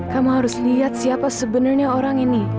kamu harus lihat siapa sebenarnya orang ini